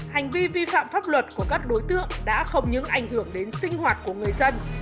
hành vi vi phạm pháp luật của các đối tượng đã không những ảnh hưởng đến sinh hoạt của người dân